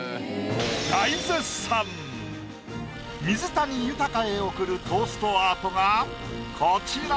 水谷豊へ贈るトーストアートがこちら。